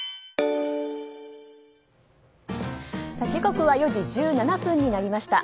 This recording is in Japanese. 時刻は４時１７分になりました。